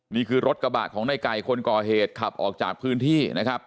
นี่คือรถกระบะของในไก่คนก่อเหตุขับออกจากพื้นที่นะครับ